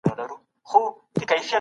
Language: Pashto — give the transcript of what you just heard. خو پایله یې د هغې په ګټه تمامه شوه.